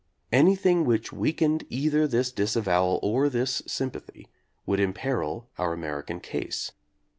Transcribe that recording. Anything which weakened either this disavowal or this sympathy would imperil our American case.